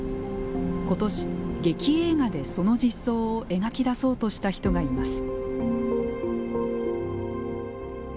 今年、劇映画でその実相を描き出そうとした人がいます。